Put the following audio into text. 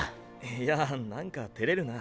いや何かてれるなあ。